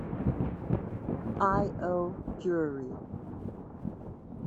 I. O. Drewry.